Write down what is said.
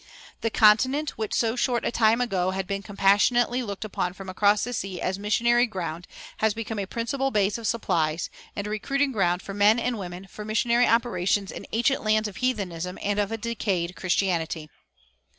The continent which so short a time ago had been compassionately looked upon from across the sea as missionary ground has become a principal base of supplies, and recruiting ground for men and women, for missionary operations in ancient lands of heathenism and of a decayed Christianity.